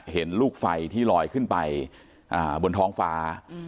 เห็นลูกไฟที่ลอยขึ้นไปบนท้องฟ้า